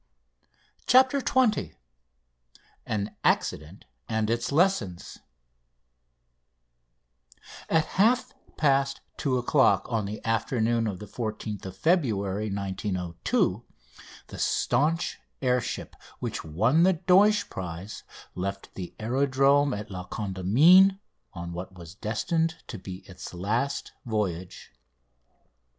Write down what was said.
CHAPTER XX AN ACCIDENT AND ITS LESSONS At half past two o'clock on the afternoon of the 14th of February 1902 the staunch air ship which won the Deutsch prize left the aerodrome of La Condamine on what was destined to be its last voyage.